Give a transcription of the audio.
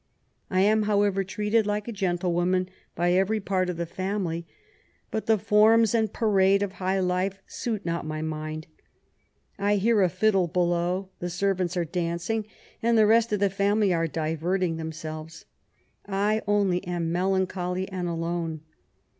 I am, however, treated like a gentlewoman by every part of the family, but the forms and parade of high life suit not my mind. ... I hear a fiddle below, the servants are dancing, and the rest of the family are diverting themselves. I only am melancholy and alone.